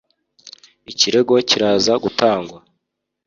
ikirego kiraza gutangwa.